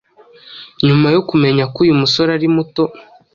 nyuma yo kumenya ko uyu musore ari muto